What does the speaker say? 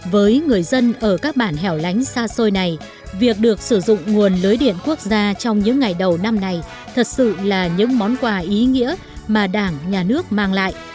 với người dân ở các bản hẻo lánh xa xôi này việc được sử dụng nguồn lưới điện quốc gia trong những ngày đầu năm này thật sự là những món quà ý nghĩa mà đảng nhà nước mang lại